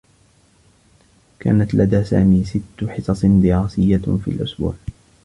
كانت لدى سامي ستّ حصص دراسيّة في الأسبوع.